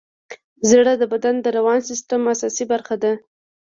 زړه د بدن د دوران سیسټم اساسي برخه ده.